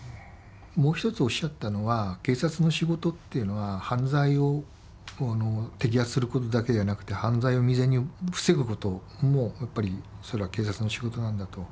もう一つおっしゃったのは警察の仕事っていうのは犯罪を摘発することだけじゃなくて犯罪を未然に防ぐこともやっぱりそれは警察の仕事なんだと。